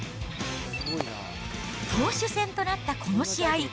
投手戦となったこの試合。